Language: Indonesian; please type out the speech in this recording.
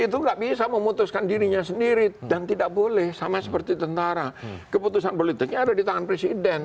itu nggak bisa memutuskan dirinya sendiri dan tidak boleh sama seperti tentara keputusan politiknya ada di tangan presiden